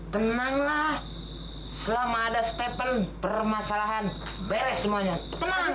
tenanglah selama ada stepan bermasalahan beres semuanya tenang